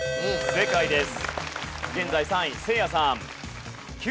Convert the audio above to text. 正解です。